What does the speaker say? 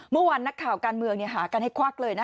เมื่อวานนักข่าวการเมืองหากันให้ควักเลยนะ